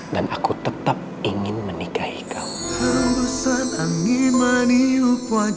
dan aku tetap ingin menikahi kamu